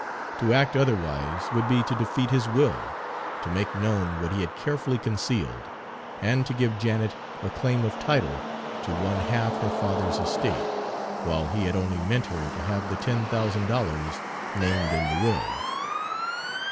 To act otherwise would be to defeat his will, to make known what he had carefully concealed, and to give Janet a claim of title to one half her father's estate, while he had only meant her to have the ten thousand dollars named in the will.